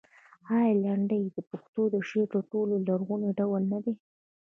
آیا لنډۍ د پښتو د شعر تر ټولو لرغونی ډول نه دی؟